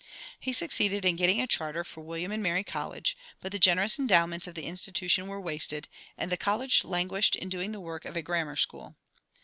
He succeeded in getting a charter for William and Mary College, but the generous endowments of the institution were wasted, and the college languished in doing the work of a grammar school.